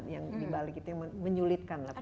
yang dibalik itu yang menyulitkan